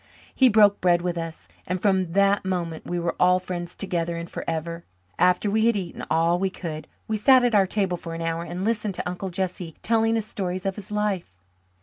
He broke bread with us and from that moment we were all friends together and forever. After we had eaten all we could, we sat at our table for an hour and listened to Uncle Jesse telling us stories of his life.